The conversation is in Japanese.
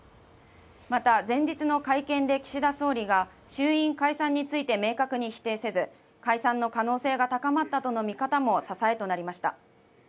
また前日の会見で岸田総理が衆院解散について明確に否定せず解散の可能性が高まったとの見方も支えとなりました。